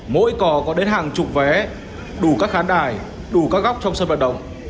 mỗi cò có đến hàng chục vé đủ các khán đài đủ các góc trong sân vận động